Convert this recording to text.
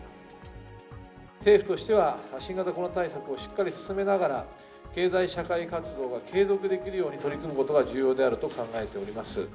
政府としては、新型コロナ対策をしっかり進めながら経済社会活動が継続できるように取り組むことが重要であると考えております。